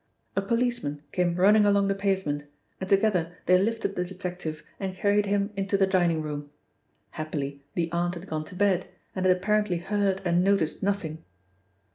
A policeman came running along the pavement, and together they lifted the detective and carried him into the dining room. Happily the aunt had gone to bed, and had apparently heard and noticed nothing.